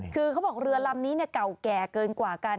คือเขาบอกว่าเรือลำนี้เเก่าเเกรกว่ากัน